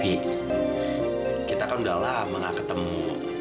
kita kan udah lama gak ketemu